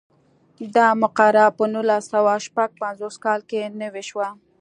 دا مقرره په نولس سوه شپږ پنځوس کال کې نوې شوه.